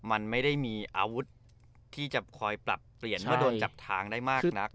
มันไม่ได้มีอาวุธที่จะคอยปรับเปลี่ยนเมื่อโดนจับทางได้มากนัก